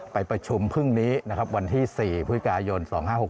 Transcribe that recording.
ไปประชุมพรุ่งนี้นะครับวันที่๔พฤกายน๒๕๖๖